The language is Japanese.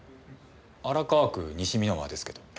荒川区西三ノ輪ですけど。